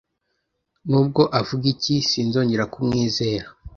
Nubwo avuga iki, sinzongera kumwizera.